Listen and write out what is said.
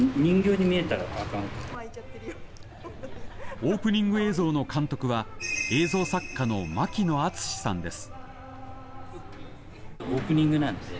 オープニング映像の監督は映像作家の牧野惇さんです。